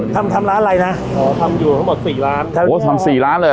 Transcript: ทำทำร้านอะไรนะอ๋อทำอยู่ทั้งหมดสี่ร้านครับโอ้ทำสี่ร้านเลยเห